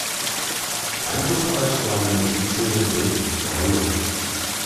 Einflussreich war die Musikszene in Dayton, Ohio.